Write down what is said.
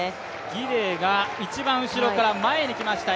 ギデイが一番、後ろから前に来ました。